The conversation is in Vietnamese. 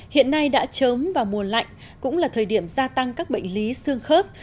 hiện nay đã trớm vào mùa lạnh cũng là thời điểm gia tăng các bệnh lý xương khớp